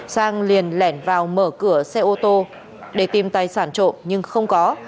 sang liền lẻn vào mở cửa xe ô tô để tìm tài sản trộm nhưng không có